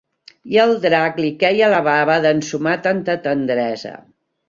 I al drac li queia la bava d'ensumar tanta tendresa.